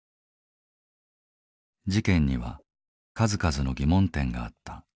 事件には数々の疑問点があった。